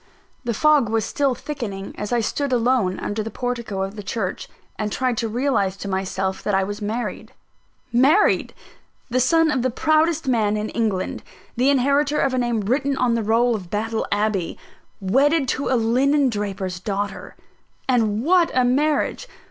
The fog was still thickening, as I stood alone under the portico of the church, and tried to realise to myself that I was married. Married! The son of the proudest man in England, the inheritor of a name written on the roll of Battle Abbey, wedded to a linen draper's daughter! And what a marriage!